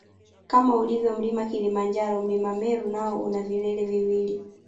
Kama ulivyo mlima Kilimanjaro mlima Meru nao una vilele viwili